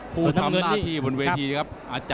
ผู้ทำหน้าที่บนเวทีครับ